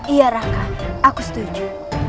iya raka aku setuju